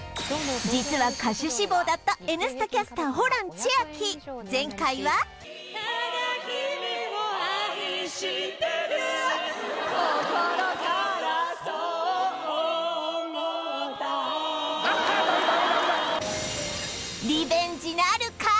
実は歌手志望だった「Ｎスタ」キャスターホラン千秋前回はダメダメダメリベンジなるか！？